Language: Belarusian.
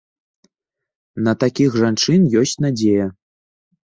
На такіх жанчын ёсць надзея.